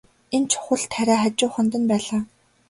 Энэ чухал тариа хажууханд нь байлаа.